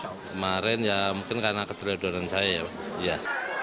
kemarin ya mungkin karena keterlodonan saya ya